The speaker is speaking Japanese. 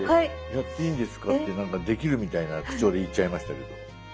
やっていいですかってできるみたいな口調で言っちゃいましたけど。